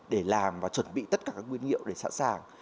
để làm và chuẩn bị tất cả các nguyên liệu để sẵn sàng